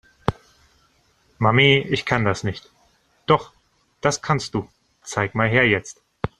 Mami, ich kann das nicht. Doch, das kannst du. Zeig mal her jetzt.